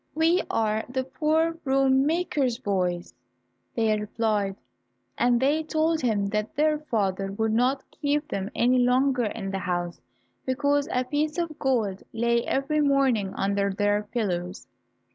"We are the poor broom maker's boys," they replied, and they told him that their father would not keep them any longer in the house because a piece of gold lay every morning under their pillows.